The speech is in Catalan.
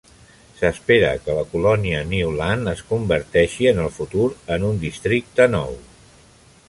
S'espera que la colònia Neuland es converteixi en el futur en un districte nou.